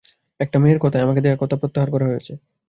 একটা মেয়ের কথায় আমাকে দেয়া কথা প্রত্যাহার করেছ।